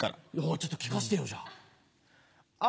ちょっと聞かせてよじゃあ。